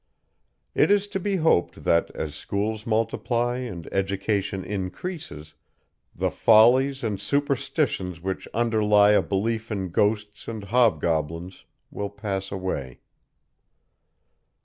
It is to be hoped that, as schools multiply and education increases, the follies and superstitions which underlie a belief in ghosts and hobgoblins will pass away.